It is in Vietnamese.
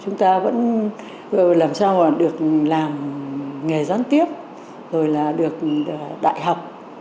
chúng ta vẫn làm sao mà được làm nghề gián tiếp rồi là được đại học